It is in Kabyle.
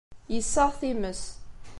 Yessaɣ times.